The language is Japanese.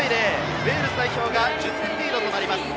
ウェールズ代表が１０点リードとなります。